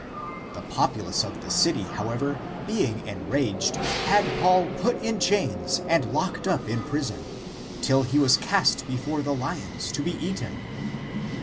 The populace of the city, however, being enraged, had Paul put in chains and locked up in prison, till he was cast before the lions to be eaten.